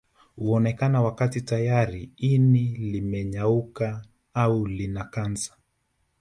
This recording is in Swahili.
Huonekana wakati tayari ini limenyauka au lina kansa